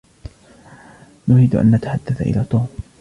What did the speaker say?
نريد أن نتحدث إلى توم.